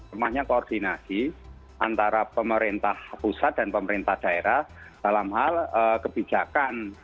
lemahnya koordinasi antara pemerintah pusat dan pemerintah daerah dalam hal kebijakan